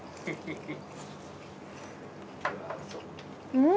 うん！